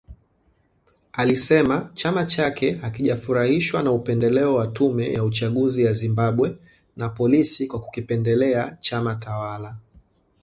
Alisema chama chake hakijafurahishwa na upendeleo wa tume ya uchaguzi ya Zimbabwe, na polisi kwa kukipendelea chama tawala